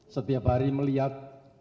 setiap hari melihat